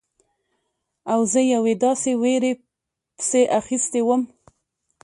او زه یوې داسې ویرې پسې اخیستی وم.